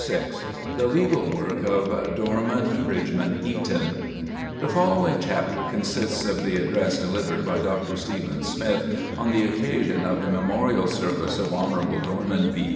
VI THE LEGAL WORK OF DORMAN BRIDGEMAN EATON The following chapter consists of the address delivered by Dr. Stephen Smith on the occasion of the memorial service of Hon. Dorman B.